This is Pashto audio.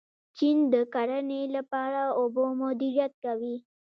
چین د کرنې لپاره اوبه مدیریت کوي.